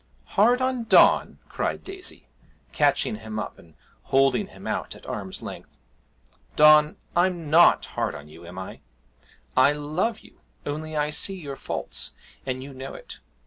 'Hard on Don!' cried Daisy, catching him up and holding him out at arm's length. 'Don, I'm not hard on you, am I? I love you, only I see your faults, and you know it.